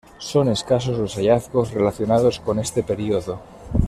Son escasos los hallazgos relacionados con este período.